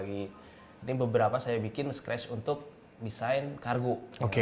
ini beberapa saya bikin scratch untuk desain kargo